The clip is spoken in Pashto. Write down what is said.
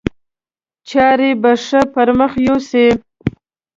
چارې به ښې پر مخ یوسي.